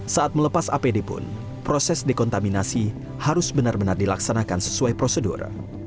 saat melepas apd pun proses dekontaminasi harus benar benar dilaksanakan sesuai prosedur